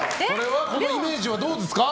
このイメージはどうですか？